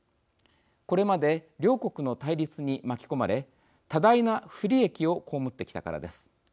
これまで両国の対立に巻き込まれ多大な不利益を被ってきたからです。